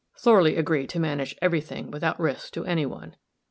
Thorley agreed to manage every thing without risk to any one.